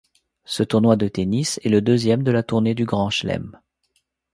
Ce tournoi de tennis est le deuxième de la tournée du Grand Chelem.